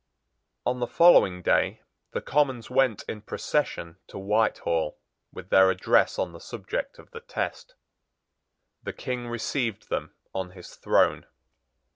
On the following day the Commons went in procession to Whitehall with their address on the subject of the test. The King received them on his throne.